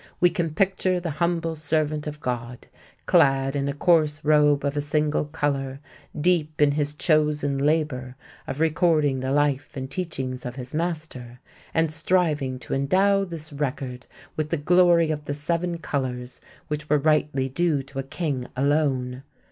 We can picture the humble servant of God, clad in a coarse robe of a single color, deep in his chosen labor of recording the life and teachings of his Master, and striving to endow this record with the glory of the seven colors which were rightly due to a King alone.